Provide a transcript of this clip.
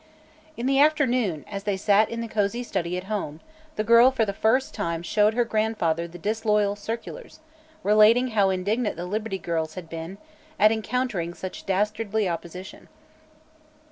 In the afternoon, as they sat in the cosy study at home, the girl for the first time showed her grandfather the disloyal circulars, relating how indignant the Liberty Girls had been at encountering such dastardly opposition.